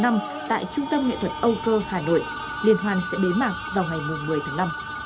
năm tại trung tâm nghệ thuật âu cơ hà nội liên hoan sẽ bế mạc vào ngày một mươi tháng năm